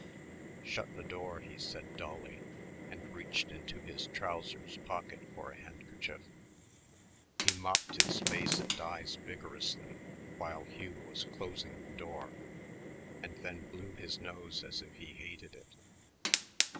"Shut the door," he said dully, and reached into his trousers pocket for his handkerchief. He mopped his face and eyes vigorously while Hugh was closing the door, and then blew his nose as if he hated it.